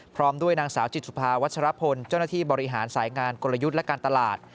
พร้อมด้วยนางสาวจิตสุภาวัชรพลเจ้าหน้าที่บริหารสายงานกลยุทธ์และการตลาด